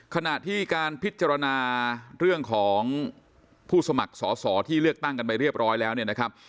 ขณะที่การพิจารณาเรื่องของผู้สมัครสอสอที่เลือกตั้งกันไปเรียบร้อยแล้วเนี่ยนะครับ